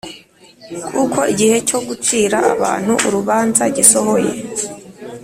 kuko igihe cyo gucira abantu urubanza gisohoye,